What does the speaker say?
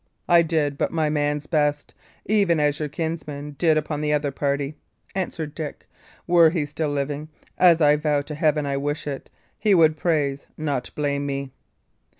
"I did but my man's best, even as your kinsman did upon the other party," answered Dick. "Were he still living as I vow to Heaven I wish it! he would praise, not blame me."